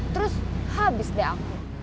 terus habis deh aku